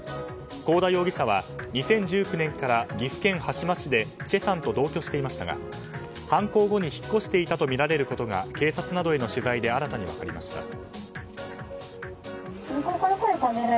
幸田容疑者は２０１９年から岐阜県羽島市でチェさんと同居していましたが犯行後に引っ越していたとみられることが警察などへの取材で新たに分かりました。